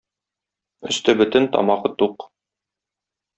Өсте бөтен, тамагы тук.